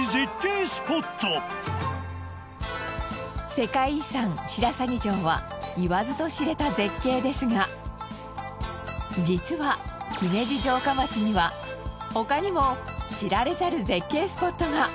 世界遺産白鷺城は言わずと知れた絶景ですが実は姫路城下町には他にも知られざる絶景スポットが！